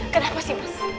kenapa sih mas